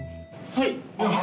はい。